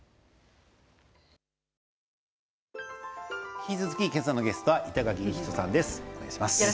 引き続き、今朝のゲストは板垣李光人さんです。